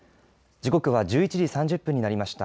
時刻は１１時３０分になりました。